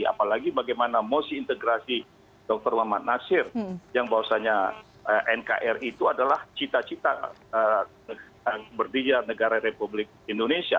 apalagi bagaimana mosi integrasi dr muhammad nasir yang bahwasannya nkri itu adalah cita cita berdiri negara republik indonesia